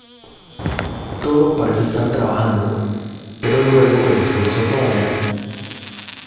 Todo parece estar trabajando, pero luego el esfuerzo falla.